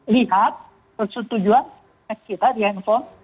lihat persetujuan kita di handphone